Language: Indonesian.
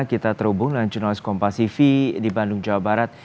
kita terhubung dengan jurnalis kompasifi di bandung jawa barat